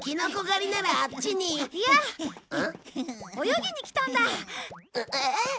泳ぎに来たんだ。えっ！？